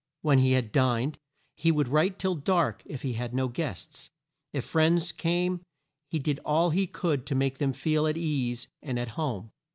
When he had dined, he would write till dark if he had no guests. If friends came he did all he could to make them feel at ease and at home.